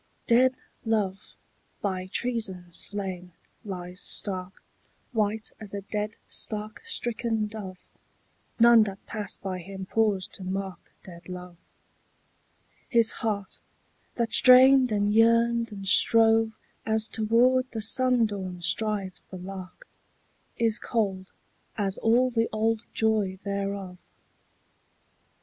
DEAD love, by treason slain, lies stark, White as a dead stark stricken dove: None that pass by him pause to mark Dead love. His heart, that strained and yearned and strove As toward the sundawn strives the lark, Is cold as all the old joy thereof.